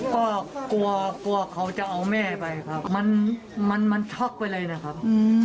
ก็กลัวกลัวเขาจะเอาแม่ไปครับมันมันช็อกไปเลยนะครับ